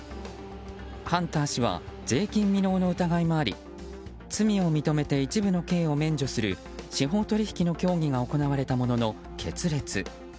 ハンター氏は税金未納の疑いもあり罪を認めて一部の刑を免除する司法取引の協議が行われたものの、決裂。